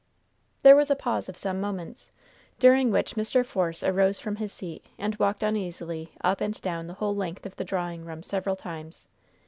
There was a pause of some moments, during which Mr. Force arose from his seat and walked uneasily up and down the whole length of the drawing room several times.